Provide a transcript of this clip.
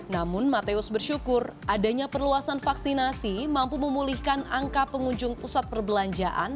namun mateus bersyukur adanya perluasan vaksinasi mampu memulihkan angka pengunjung pusat perbelanjaan